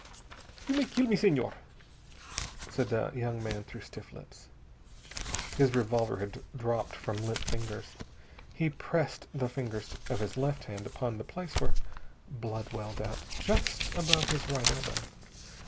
"You may kill me, Senhor," said the young man through stiff lips. His revolver had dropped from limp fingers. He pressed the fingers of his left hand upon the place where blood welled out, just above his right elbow.